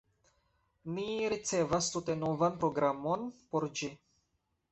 Ni ricevas tute novan programon por ĝi.